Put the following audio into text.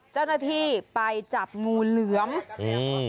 จ้านาธิไปจับงูเหลือง